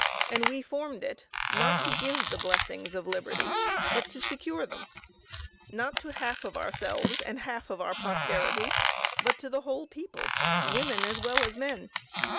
And we formed it, not to give the blessings of liberty, but to secure them; not to the half of ourselves and the half of our posterity, but to the whole people women as well as men.